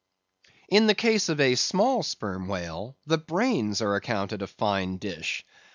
In the case of a small Sperm Whale the brains are accounted a fine dish.